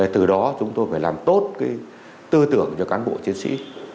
từ đó chúng tôi phải làm tốt tư tưởng cho cán bộ chiến sĩ